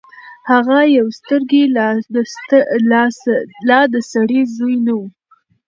هغه يو سترګې لا د سړي زوی نه وو.